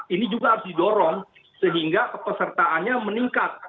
ini juga harus didorong sehingga kepesertaannya meningkat